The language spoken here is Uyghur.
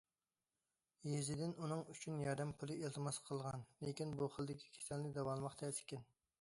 يېزىدىن ئۇنىڭ ئۈچۈن ياردەم پۇلى ئىلتىماس قىلغان، لېكىن بۇ خىلدىكى كېسەلنى داۋالىماق تەس ئىكەن.